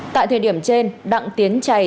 tại thời điểm trên đặng tiến trày